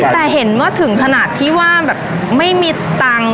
แต่เห็นว่าถึงขนาดที่ว่าแบบไม่มีตังค์